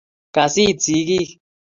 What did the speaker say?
kas it sikik